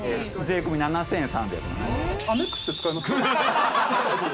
税込み７，３７０円。